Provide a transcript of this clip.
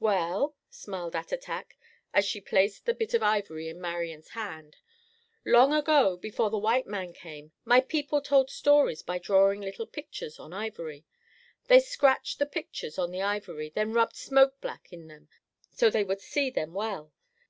"Well," smiled Attatak, as she placed the bit of ivory in Marian's hand, "long ago, before the white man came, my people told stories by drawing little pictures on ivory. They scratched the pictures on the ivory, then rubbed smoke black in them so they would see them well.